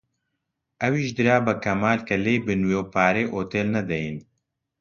ئەویش درا بە کەمال کە لێی بنوێ و پارەی ئوتێل نەدەین